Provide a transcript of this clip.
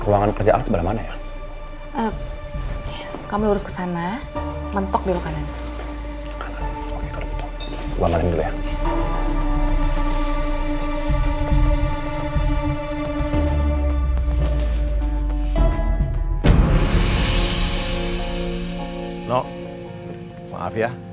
ruangan kerja al sebelah mana ya